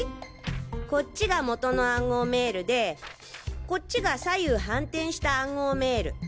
こっちが元の暗号メールでこっちが左右反転した暗号メール。